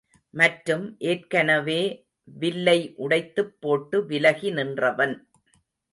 மற்றும் ஏற்கனவே வில்லை உடைத்துப் போட்டு விலகி நின்றவன்.